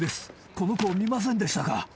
この子を見ませんでしたか？